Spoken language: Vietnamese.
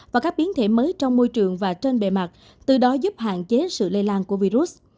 và các biến thể mới trong môi trường và trên bề mặt từ đó giúp hạn chế sự lây lan của virus